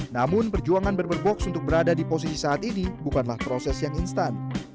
namun perjuangan barber box untuk berada di posisi saat ini bukanlah proses yang instan